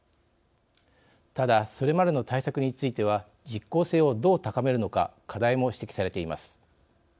ただそれまでの対策については実効性をどう高めるのか課題も指摘されています。